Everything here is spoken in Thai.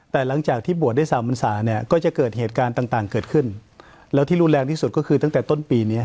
แต่หลังจากที่บวชได้สามพันศาเนี่ยก็จะเกิดเหตุการณ์ต่างเกิดขึ้นแล้วที่รุนแรงที่สุดก็คือตั้งแต่ต้นปีนี้